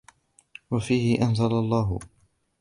وَفِيهِ أَنْزَلَ اللَّهُ